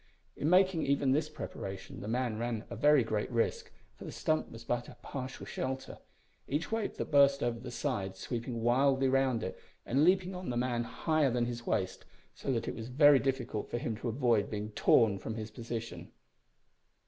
In making even this preparation the man ran very great risk, for the stump was but a partial shelter each wave that burst over the side sweeping wildly round it and leaping on the man higher than his waist, so that it was very difficult for him to avoid being torn from his position.